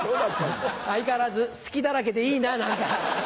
相変わらず隙だらけでいいな何か。